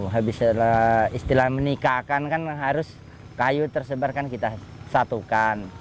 habis istilah menikahkan kan harus kayu tersebar kan kita satukan